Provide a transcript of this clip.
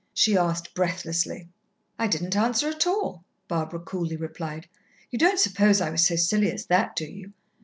she asked breathlessly. "I didn't answer at all," Barbara coolly replied. "You don't suppose I was so silly as that, do you?